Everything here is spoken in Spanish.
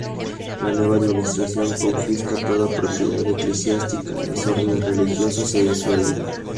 La nueva administración confisca toda propiedad eclesiástica, las órdenes religiosas se disuelven.